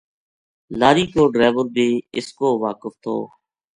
لاری کو ڈریور بے اس کو واقف تھو